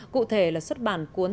cụ thể là xuất bản cuốn